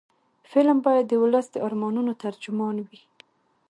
فلم باید د ولس د ارمانونو ترجمان وي